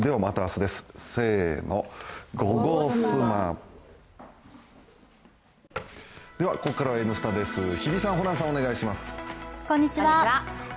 「ポリデント」ではここからは「Ｎスタ」です、日比さん、ホランさん、お願いします。